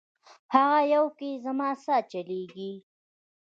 هغه یوه کي زما سا چلیږي